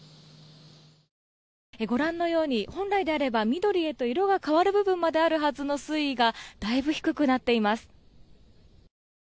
ご覧のように本来であれば、緑へと色が変わる部分まであるはずの水位がだいぶ低くなっています。